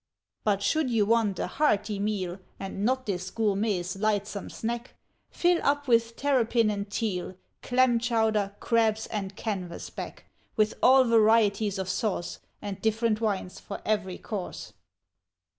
But should you want a hearty meal, And not this gourmet's lightsome snack, Fill up with terrapin and teal, Clam chowder, crabs and canvasback; With all varieties of sauce, And diff'rent wines for ev'ry course.